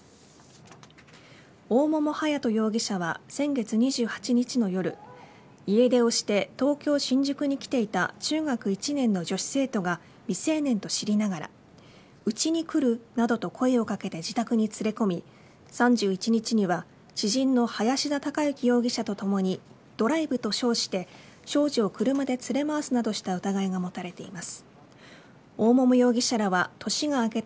大桃勇人容疑者は先月２８日の夜、家出をして東京、新宿に来ていた中学１年の女子生徒が未成年と知りながらうちに来るなどと声をかけて自宅に連れ込み、３１日には知人の林田貴之容疑者らと共にドライブと称して少女を車で連れ回すなどした疑いが持たれています。